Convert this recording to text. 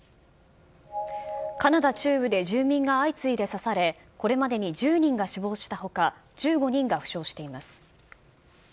カナダ中部で住民が相次いで刺され、これまでに１０人が死亡したほか、１５人が負傷しています。